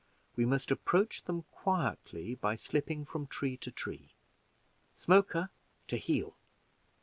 We must approach them quietly, by slipping from tree to tree. Smoker, to heel!